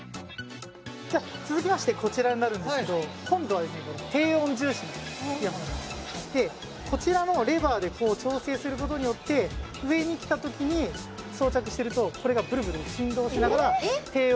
続きましてこちらになるんですけど今度はですねこちらのレバーでこう調整することによって上に来たときに装着してるとこれがどういうことですか？